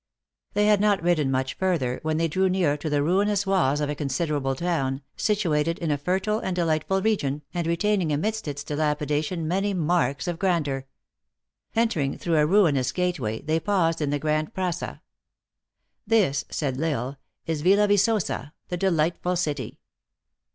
They had not ridden much further, when they drew near to the ruinous walls of a considerable town, situ ated in a fertile and delightful region, and retaining amidst its dilapidation many marks of grandeur. En tering through a ruinous gateway, they paused in the grand praga. " This," s#id L Isle, " is Ville Vicosa, 4 the delightful city.